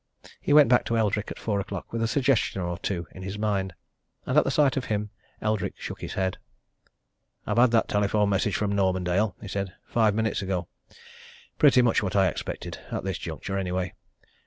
He went back to Eldrick at four o'clock with a suggestion or two in his mind. And at the sight of him Eldrick shook his head. "I've had that telephone message from Normandale," he said, "five minutes ago. Pretty much what I expected at this juncture, anyway.